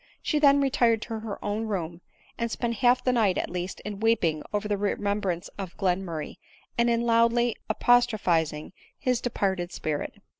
She then retired to her own room, and spent half the night at least in weeping over the remem brance of Glenmurray, and in loudly apostrophising his departed spirit.